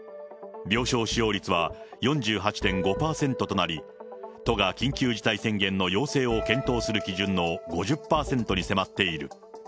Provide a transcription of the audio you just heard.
病床使用率は４８．５％となり、都が緊急事態宣言の要請を検討する基準の５０％に迫っている。